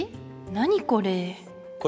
何これ？